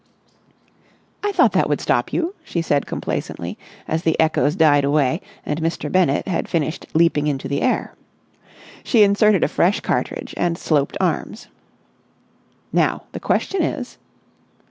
"I thought that would stop you," she said complacently, as the echoes died away and Mr. Bennett had finished leaping into the air. She inserted a fresh cartridge, and sloped arms. "Now, the question is...."